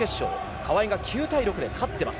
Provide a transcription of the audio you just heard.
川井が９対６で勝っています。